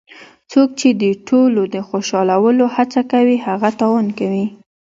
څوک چې د ټولو د خوشحالولو هڅه کوي هغه تاوان کوي.